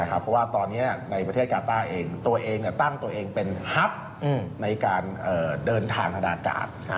เพราะว่าตอนนี้ในประเทศกาต้าเองตัวเองตั้งตัวเองเป็นฮับในการเดินทางทางอากาศ